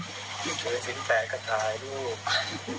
ถือซิล๘ก็ถ่ายรูป